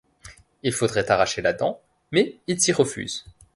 Il faudrait arracher la dent, mais il s’y refuse.